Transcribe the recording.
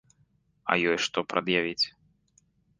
А ёй што прад'явіць?